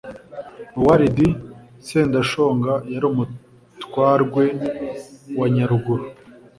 Owalidi Sendashonga yari Umutwarwe wa Nyaruguru.